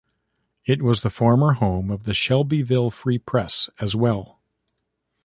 It was the former home of the "Shelbyville Free Press" as well.